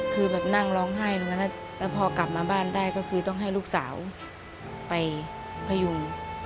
คือแบบนั่งร้องไห้ตรงนั้นแล้วพอกลับมาบ้านได้ก็คือต้องให้ลูกสาวไปพยุง